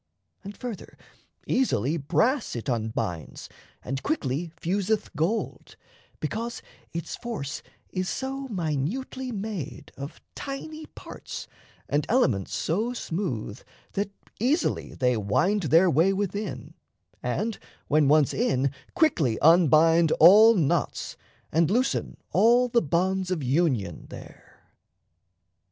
And, further, easily Brass it unbinds and quickly fuseth gold, Because its force is so minutely made Of tiny parts and elements so smooth That easily they wind their way within, And, when once in, quickly unbind all knots And loosen all the bonds of union there.